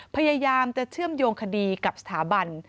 พยายามจะเชื่อมโยงคดีกับสถาบัน